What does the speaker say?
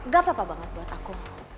gak apa apa banget buat aku